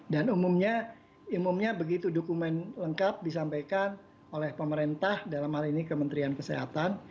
dan umumnya begitu dokumen lengkap disampaikan oleh pemerintah dalam hal ini kementerian kesehatan